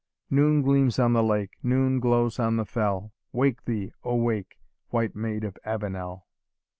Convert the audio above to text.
Noon gleams on the lake Noon glows on the fell Wake thee, O wake, White Maid of Avenel!"